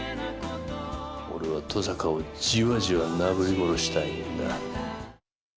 俺は登坂をじわじわとなぶり殺したいんだ。